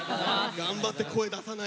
頑張って声出さないように。